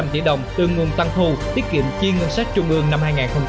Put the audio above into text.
sáu sáu trăm linh tỷ đồng từ nguồn tăng thu tiết kiệm chiên ngân sách trung ương năm